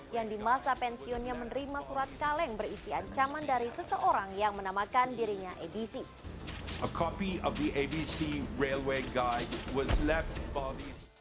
yang di masa pensiunnya menerima surat kaleng berisi ancaman dari seseorang yang menamakan dirinya edisi